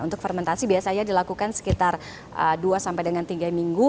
untuk fermentasi biasanya dilakukan sekitar dua sampai dengan tiga minggu